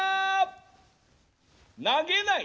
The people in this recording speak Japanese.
投げない！